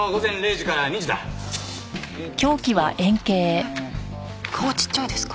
えっ顔ちっちゃいですか？